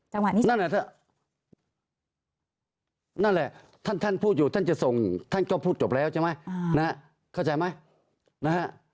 จังหวะนี้ใช่ไหมนั่นแหละท่านท่านพูดอยู่ท่านจะส่งท่านก็พูดจบแล้วใช่ไหมเข้าใจไหมนะฮะ